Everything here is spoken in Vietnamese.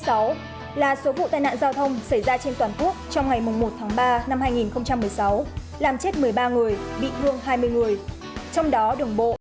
ông vũ ngọc lăng vụ trưởng vụ an toàn giao thông tổng cục đồng bộ việt nam cho biết